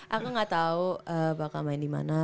aku gak tahu bakal main di mana